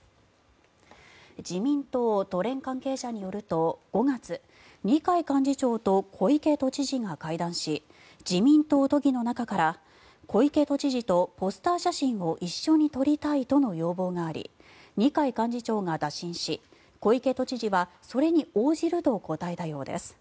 自民党都連関係者によると５月二階幹事長と小池都知事が会談し自民党都議の中から小池都知事とポスター写真を一緒に撮りたいとの要望があり二階幹事長が打診し小池都知事はそれに応じると答えたようです。